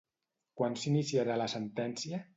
Quan s'iniciarà la sentència?